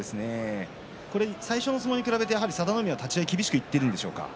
最初の相撲に比べて佐田の海は立ち合い厳しくいっているんでしょうか。